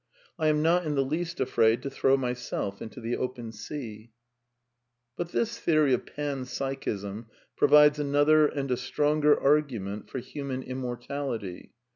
I am not in the least afraid to throw myself into the open sea* But this theory of Pan Psychism provides another and a stronger argument for human immortality.